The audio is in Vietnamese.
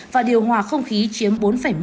và điều hòa không khí chiếm bốn một